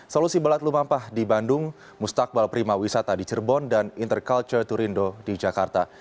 solusi balat lumampah di bandung mustakbal prima wisata di cirebon dan interculture turindo di jakarta